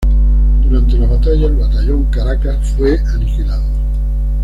Durante la batalla el batallón Caracas fue aniquilado.